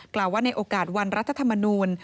กล่าวว่าในโอกาสวันรัฐธรรมนูล